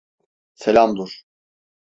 Selam dur!